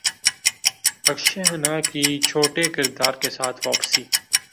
اکشے کھنہ کی چھوٹے کردار کے ساتھ واپسی